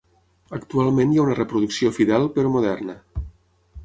Actualment hi ha una reproducció fidel, però moderna.